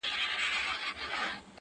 • سل ځله مي خپل کتاب له ده سره کتلی دی,